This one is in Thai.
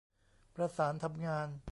ประสานทำงาน